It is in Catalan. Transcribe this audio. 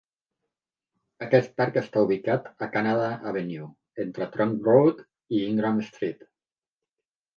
Aquest parc està ubicat a Canada Avenue, entre Trunk Road i Ingram Street.